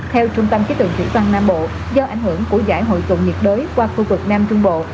theo trung tâm chế tượng thủy toàn nam bộ do ảnh hưởng của giải hội tụng nhiệt đới qua khu vực nam trung bộ